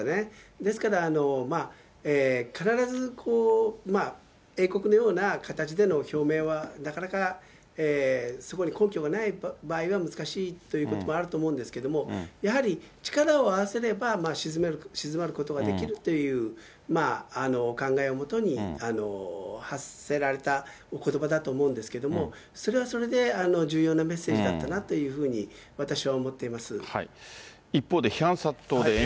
ですから、必ず英国のような形での表明はなかなか、そこに根拠がない場合は、難しいということもあると思うんですけれども、やはり力を合わせれば、鎮まることができるという、お考えのもとに発せられたおことばだと思うんですけれども、それはそれで重要なメッセージだったなっていうふうに私は思って一方で、批判殺到で炎上した。